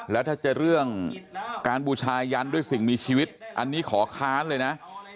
แล้วถ้าจะเรื่องการบูชายันด้วยสิ่งมีชีวิตอันนี้ขอค้านเลยนะ